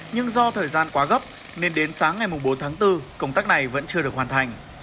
nhưng do thời gian quá gấp nên đến sáng ngày bốn tháng bốn công tác này vẫn chưa được hoàn thành